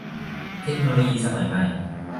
เทคโนโลยีสมัยใหม่